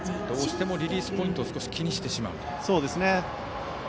どうしてもリリースポイントを少し気にしてしまうと。